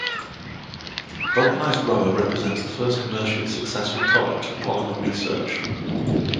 Vulcanized rubber represents the first commercially successful product of polymer research.